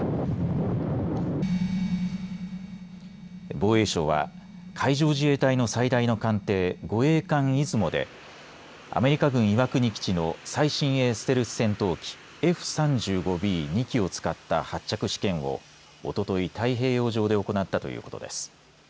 防衛省は海上自衛隊の最大の艦艇護衛艦いずもでアメリカ軍岩国基地の最新鋭ステルス戦闘機Ｆ３５Ｂ、２機を使った発着試験をおととい太平洋上で行ったということです。